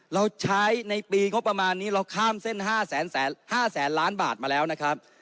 เราใช้ในปีงบประมาณนี้เราข้ามเส้น๕แสนล้านบาทมาแล้วนะครับ